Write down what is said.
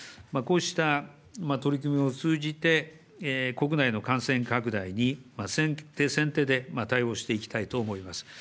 こうした取り組みを通じて、国内の感染拡大に先手先手で対応していきたいと思います。